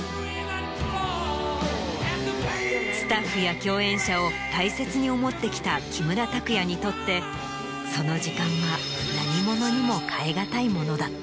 スタッフや共演者を大切に思ってきた木村拓哉にとってその時間は。だった。